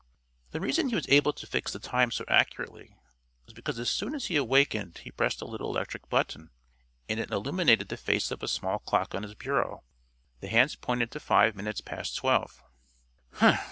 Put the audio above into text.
The reason he was able to fix the time so accurately was because as soon as he awakened he pressed a little electric button, and it illuminated the face of a small clock on his bureau. The hands pointed to five minutes past twelve.